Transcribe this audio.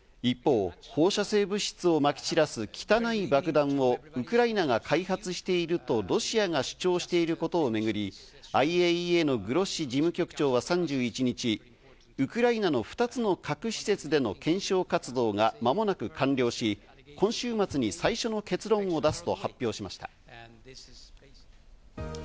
一方、放射性物質を撒き散らす「汚い爆弾」をウクライナが開発しているとロシアが主張していることをめぐり、ＩＡＥＡのグロッシ事務局長は３１日、ウクライナの２つの各施設での検証活動が間もなく完了し、今週末に最初の結論を出すと発表しました。